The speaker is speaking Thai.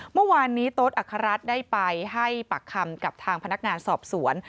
เมื่อวานนี้โต๊ดอัครรัฐได้ไปให้ปากคำกับทางพนักงานสอบสวน